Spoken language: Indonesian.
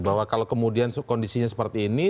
bahwa kalau kemudian kondisinya seperti ini